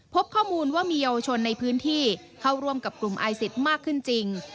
พบข้อมูลว่ามีเยาวชนในพื้นที่เข้าร่วมกับกลุ่มไอซิสมากขึ้นจริง